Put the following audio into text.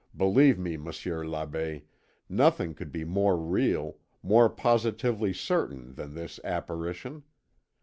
Believe me, Monsieur l'Abbé, nothing could be more real, more positively certain than this apparition.